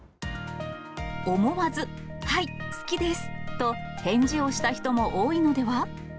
思わず、はい、好きですと返事をした人も多いのでは？